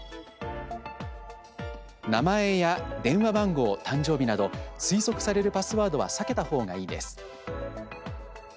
名前や電話番号、誕生日など推測されるパスワードは避けたほうがいいです。